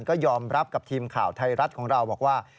ก็ยอมรับกับทีมข่าวไทยรัฐของเราบอกว่า